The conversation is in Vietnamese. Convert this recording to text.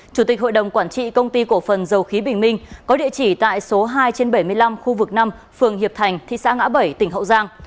chủ tịch hội đồng quản trị công ty cổ phần dầu khí bình minh có địa chỉ tại số hai trên bảy mươi năm khu vực năm phường hiệp thành thị xã ngã bảy tỉnh hậu giang